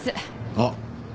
あっ。